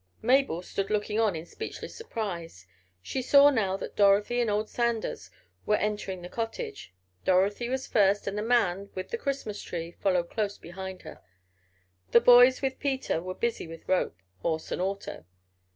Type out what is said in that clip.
Mabel stood looking on in speechless surprise. She saw now that Dorothy and old Sanders were entering the cottage. Dorothy was first, and the man, with the Christmas tree, followed close behind her. The boys with Peter were busy with rope, horse and auto.